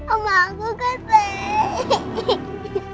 oma aku keseh